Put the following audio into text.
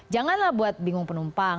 janganlah buat bingung penumpang